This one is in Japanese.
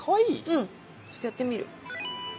うんちょっとやってみる。